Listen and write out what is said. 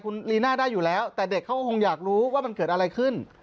คุณลีน่าได้อยู่แล้วแต่เด็กเขาก็คงอยากรู้ว่ามันเกิดอะไรขึ้น